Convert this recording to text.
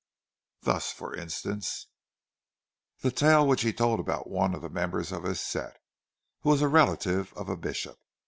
Thus, for instance, the tale which he told about one of the members of his set, who was a relative of a bishop.